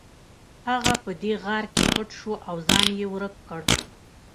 هغه په دې غار کې پټ شو او ځان یې ورک کړ